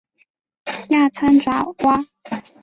亚参爪哇。